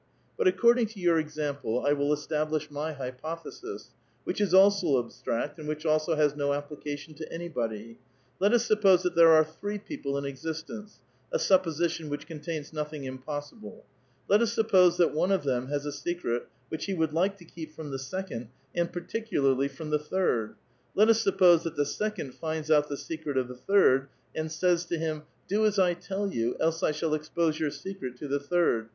But according to your example I will establish my hypothesis, which is also abstract, and which also has no application to anybod}'. Let us suppose that there are three people in ex istence — a supposition which contains nothing impossible ; let us suppose that one of them has a secret which he would like to keep from the second, and particularly from the third ; let us suppose that the second finds out the secret of the third, and says to him : Do as I tell you, else I shall expose vonr secret to the third.